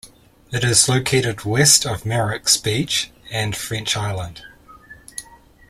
It is located west of Merricks Beach and French Island.